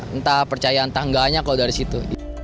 entah percaya atau enggaknya kalau dari situ